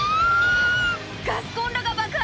ガスコンロが爆発！